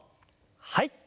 はい。